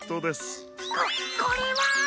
ここれは！